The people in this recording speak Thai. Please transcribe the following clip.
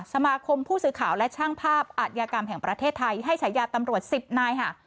สมาคมผู้สื่อข่าวและช่างภาพอาทยากรรมแห่งประเทศไทยให้ฉายาตำรวจ๑๐นายค่ะ